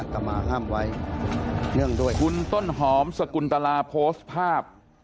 คุณต้นหอมสกุลตลาโพสต์ภาพ